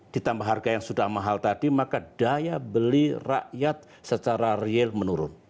ditambah harga yang sudah mahal tadi maka daya beli rakyat secara real menurun